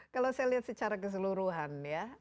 kalau saya lihat secara keseluruhan ya